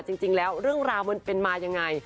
จริงแล้วเรื่องราวมันเป็นมายังไง